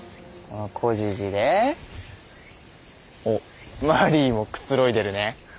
おっマリーもくつろいでるね。